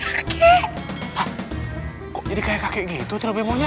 hah kok jadi kakek gitu trio bemonya